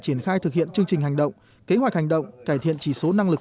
triển khai thực hiện chương trình hành động kế hoạch hành động cải thiện chỉ số năng lực